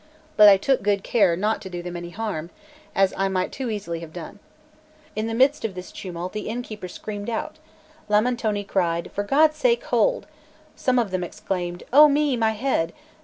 but I took good care not to do them any harm, as I might too easily have done. In the midst of this tumult the innkeeper screamed out; Lamentone cried, "For God's sake, hold!" some of them exclaimed, "Oh me, my head!"